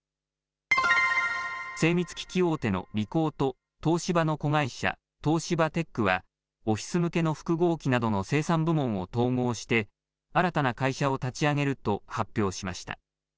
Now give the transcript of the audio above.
精密機器大手のリコーと、東芝の子会社、東芝テックは、オフィス向けの複合機などの生産部門を統合して、新たな会社を立ち上げると発表しました。